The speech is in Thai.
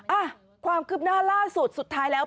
อ่ะความคืบหน้าล่าสุดสุดท้ายแล้ว